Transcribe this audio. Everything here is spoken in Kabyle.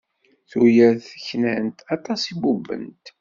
Tuyat, knant. Aṭas i bubbent.